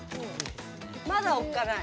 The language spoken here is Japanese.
まだおっかない。